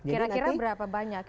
kira kira berapa banyak